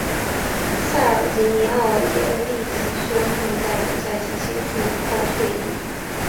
塞尔吉尼奥也立即宣布在本赛季结束后退役。